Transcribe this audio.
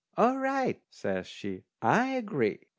"All right," says she, "I agree."